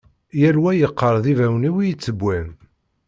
Yal wa yeqqar d ibawen-iw i yettewwan.